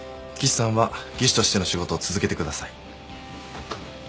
技師さんは技師としての仕事を続けてください。